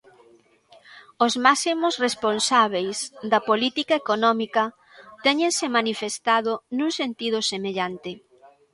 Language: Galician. Os máximos responsábeis da política económica téñense manifestado nun sentido semellante.